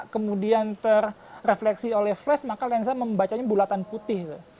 kemudian terefleksi oleh flash maka lensa membacanya bulatan putih